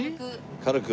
軽く。